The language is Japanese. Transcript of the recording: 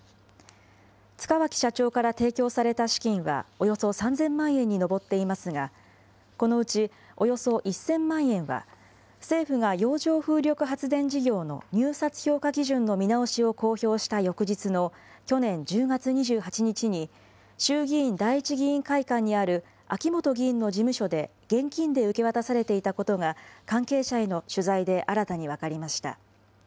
塚脇社長から提供された資金はおよそ３０００万円に上っていますが、このうちおよそ１０００万円は、政府が洋上風力発電事業の入札評価基準の見直しを公表した翌日の去年１０月２８日に、衆議院第一議員会館にある秋本議員の事務所で現金で受け渡されていたことが、関係者への取材で新たに分かりました。